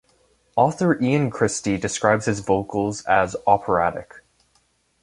Author Ian Christe describes his vocals as operatic.